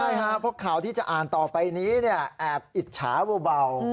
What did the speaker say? ใช่ครับเพราะข่าวที่จะอ่านต่อไปนี้แอบอิจฉาเบา